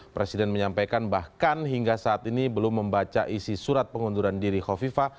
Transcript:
presiden menyampaikan bahkan hingga saat ini belum membaca isi surat pengunduran diri khofifa